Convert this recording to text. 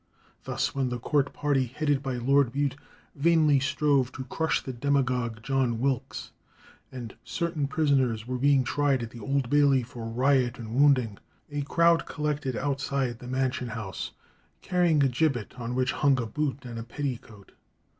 Thus, when the court party, headed by Lord Bute, vainly strove to crush the demagogue John Wilkes, and certain prisoners were being tried at the Old Bailey for riot and wounding, a crowd collected outside the Mansion House carrying a gibbet on which hung a boot and a petticoat.